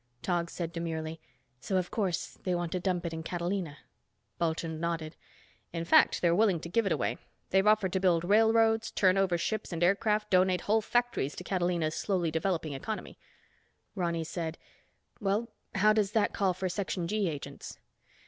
Tog said demurely, "So, of course, they want to dump it in Catalina." Bulchand nodded. "In fact, they're willing to give it away. They've offered to build railroads, turn over ships and aircraft, donate whole factories to Catalina's slowly developing economy." Ronny said, "Well, how does that call for Section G agents?"